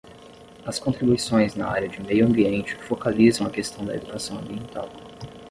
As contribuições na área de Meio Ambiente focalizam a questão da educação ambiental